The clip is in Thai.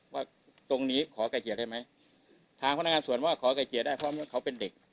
ว่าตรงนี้ขอไก่เกลียดได้ไหมทางพนักงานสวนว่าขอไก่เกลียดได้เพราะเขาเป็นเด็ก